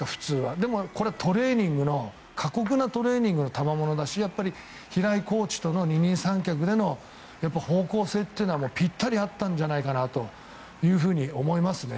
でもこれは過酷なトレーニングのたまものだし平井コーチとの二人三脚での方向性というのはぴったり合ったんじゃないかなと思いますね。